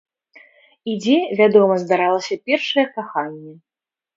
І дзе, вядома, здаралася першае каханне.